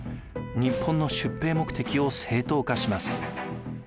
日本の出兵目的を正当化します。